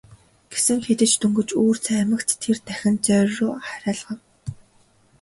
Гэсэн хэдий ч дөнгөж үүр цаймагц тэрээр дахин зоорьруу харайлгав.